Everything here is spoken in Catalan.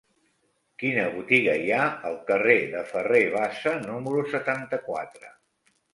Quina botiga hi ha al carrer de Ferrer Bassa número setanta-quatre?